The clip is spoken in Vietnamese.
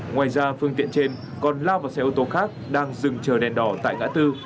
ngoài ra phương tiện trên còn lao vào xe ô tô khác đang dừng chờ đèn đỏ tại ngã tư